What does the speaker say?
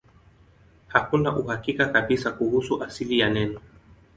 Hakuna uhakika kabisa kuhusu asili ya neno.